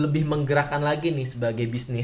lebih menggerakkan lagi nih sebagai bisnis